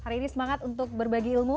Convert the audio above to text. hari ini semangat untuk berbagi ilmu